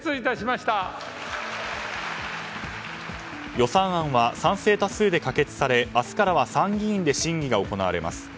予算案は賛成多数で可決され明日からは参議院で審議が行われます。